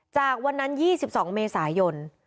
จากวันนั้น๒๒เมษายน